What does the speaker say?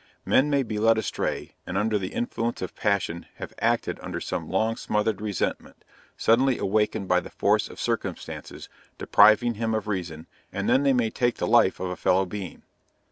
Men may be led astray, and under the influence of passion have acted under some long smothered resentment, suddenly awakened by the force of circumstances, depriving him of reason, and then they may take the life of a fellow being.